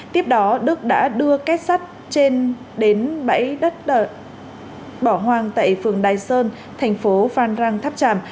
tiếp đó đức đã đưa kết sắt trên đến bãi đất bỏ hoang tại phường đài sơn thành phố phan rang tháp tràm